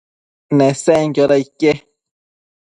Nesenquioda ique?